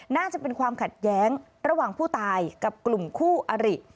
น่าจะเป็นความขัดแย้งระหว่างผู้ตายกับกลุ่มคู่อริ